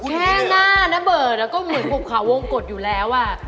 แค่หน้าน้ำเบิร์ดนะเหมือนกุปข่าววงกฎอยู่แล้ว